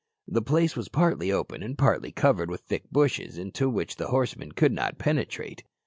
The place was partly open and partly covered with thick bushes into which a horseman could not penetrate.